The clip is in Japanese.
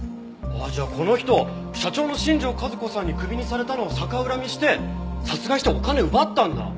じゃあこの人社長の新庄和子さんにクビにされたのを逆恨みして殺害してお金奪ったんだ！